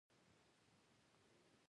د لوګر په برکي برک کې د مسو نښې شته.